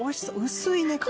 薄いね皮。